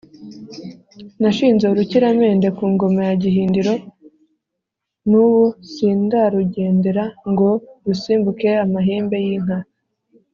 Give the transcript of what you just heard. Nashinze urukiramende ku ngoma ya Gahindiro n'ubu sindarugendera ngo ndusimbuke-Amahembe y'inka.